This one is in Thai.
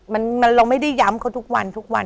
เราไม่ได้ย้ำเขาทุกวัน